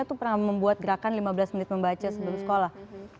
itu pernah membuat gerakan lima belas menit membaca sebelum sekolah